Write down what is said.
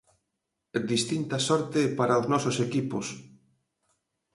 Distinta sorte para os nosos equipos.